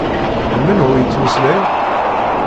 D menhu yettmeslay?